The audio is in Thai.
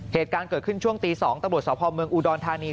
เหตุการณ์เกิดขึ้นช่วงตี๒ตะบดสะพอมเมืองอูดอนธานี